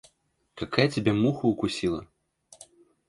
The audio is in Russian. Какая тебя муха укусила?